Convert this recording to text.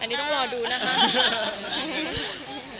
อันนี้ต้องรอดูนะคะ